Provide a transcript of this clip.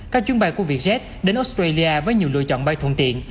các chuyến bay của vietjet đến australia với nhiều lựa chọn bay thuận tiện